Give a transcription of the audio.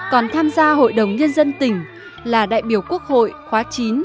còn tham gia hội đồng nhân dân tỉnh là đại biểu quốc hội khóa chín